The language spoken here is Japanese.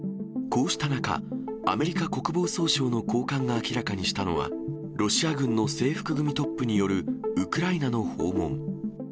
こうした中、アメリカ国防総省の高官が明らかにしたのは、ロシア軍の制服組トップによるウクライナの訪問。